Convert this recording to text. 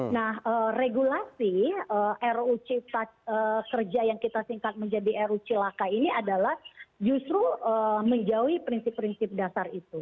nah regulasi ruc kerja yang kita singkat menjadi ruc laka ini adalah justru menjauhi prinsip prinsip dasar itu